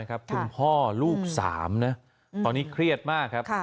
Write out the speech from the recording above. คุณพ่อลูก๓ตอนนี้เครียดมาก